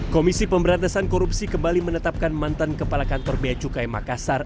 komisi pemberantasan korupsi kembali menetapkan mantan kepala kantor bea cukai makassar